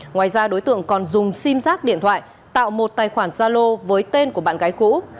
ngoài ra đối tượng còn dùng sim giác điện thoại tạo một tài khoản gia lô với tên của bạn gái cũ